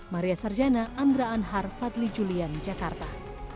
maria sarjana andra anhar fadli julian jakarta